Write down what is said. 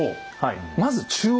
まず中央。